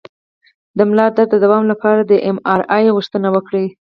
د ملا درد د دوام لپاره د ایم آر آی غوښتنه وکړئ